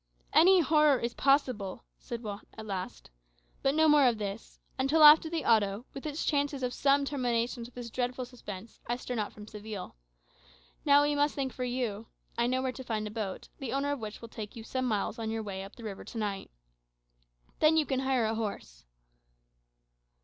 "Any horror is possible," said Juan at last. "But no more of this. Until after the Auto, with its chances of some termination to this dreadful suspense, I stir not from Seville. Now, we must think for you. I know where to find a boat, the owner of which will take you some miles on your way up the river to night. Then you can hire a horse."